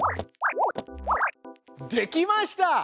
できました！